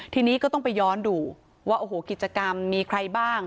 ทีนี้ก็ต้องไปย้อนดูว่าโอ้โหกิจกรรมมีใครบ้าง